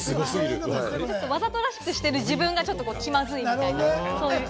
わざとらしくしてる自分が気まずいみたいな。